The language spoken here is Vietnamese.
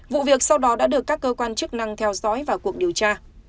vụ việc sau đó đã được các cơ quan chức năng theo dõi vào cuộc điều tra